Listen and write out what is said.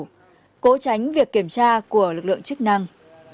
hãy đảm bảo tránh việc kiểm tra của lực lượng chức năng